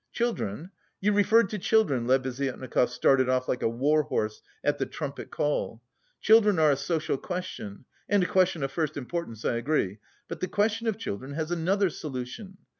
"Children? You referred to children," Lebeziatnikov started off like a warhorse at the trumpet call. "Children are a social question and a question of first importance, I agree; but the question of children has another solution.